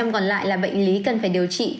hai mươi còn lại là bệnh lý cần phải điều trị